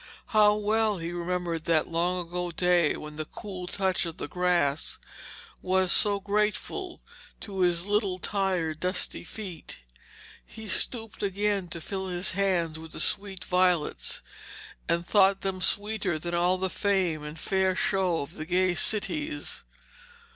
How well he remembered that long ago day when the cool touch of the grass was so grateful to his little tired dusty feet! He stooped again to fill his hands with the sweet violets, and thought them sweeter than all the fame and fair show of the gay cities.